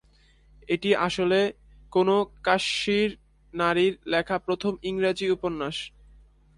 এটি আসলে কোনো কাশ্মীরি নারীর লেখা প্রথম ইংরেজি উপন্যাস।